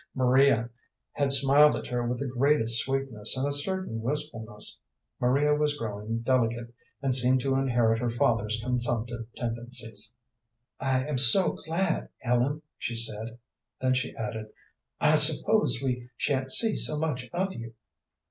Maria had smiled at her with the greatest sweetness and a certain wistfulness. Maria was growing delicate, and seemed to inherit her father's consumptive tendencies. "I am so glad, Ellen," she said. Then she added, "I suppose we sha'n't see so much of you."